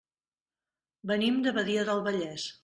Venim de Badia del Vallès.